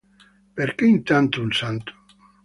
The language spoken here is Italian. Perché intanto un santo?